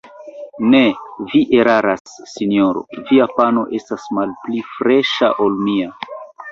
Ne, vi eraras, sinjoro: via pano estas malpli freŝa, ol mia.